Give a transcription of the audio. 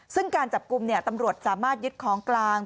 ซึ่งการจับกลุ่มตำรวจสามารถยึดของกลาง